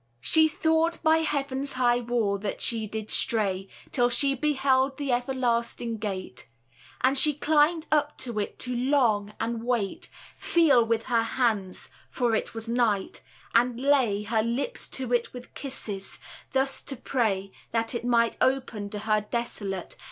She thought by heaven's high wall that she did stray Till she beheld the everlasting gate: And she climbed up to it to long, and wait, Feel with her hands (for it was night), and lay Her lips to it with kisses; thus to pray That it might open to her desolate.